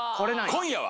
今夜は！